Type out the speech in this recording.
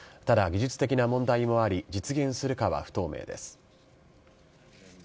ただ、技術的な問題もあり、実現するかは不透明です。